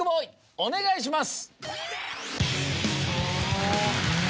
お願いします